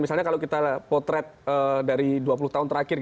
misalnya kalau kita potret dari dua puluh tahun terakhir